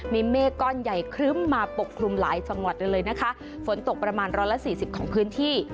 มีเมฆก้อนใหญ่ครึ้มมาปกคลุมหลายจังหวัดเลยนะคะฝนตกประมาณร้อยละสี่สิบของพื้นที่